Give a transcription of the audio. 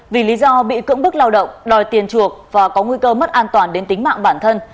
vì lý do bị cưỡng bức lao động đòi tiền chuộc và có nguy cơ mất an toàn đến tính mạng bản thân